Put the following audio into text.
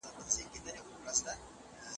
زموږ پیشو د دروازې ترڅنګ ناسته وه.